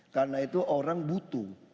karena itu orang butuh